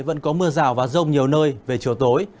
vẫn có mưa rào và rông nhiều nơi về chiều tối